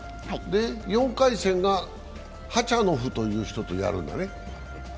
４回戦がハチャノフという人とやるんだね。